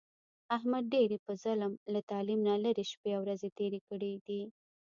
احمد ډېرې په ظلم، له تعلیم نه لرې شپې او ورځې تېرې کړې دي.